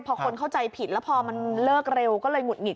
พอคนเข้าใจผิดแล้วพอมันเลิกเร็วก็เลยหุดหงิ